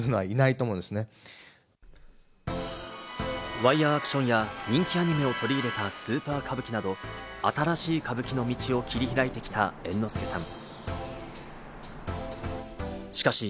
ワイヤアクションや人気アニメを取り入れたスーパー歌舞伎など、新しい歌舞伎の道を切り開いてきた猿之助さん。